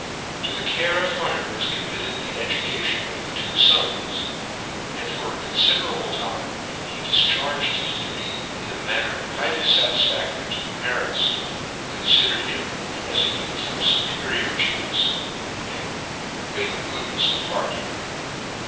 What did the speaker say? To the care of Hunter was committed the education of the two fons ; and for a confi derable time he difcharged his duty in a manner highly fatisfactory to the parents, who confidered him as a youth of fuperior genius, and great good* nefs of heart.